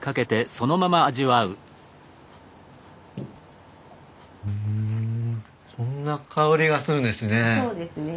こんな香りがするんですね。